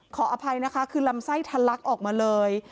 ขออภัยนะคะคือลำไส้ทะลักออกมาเลย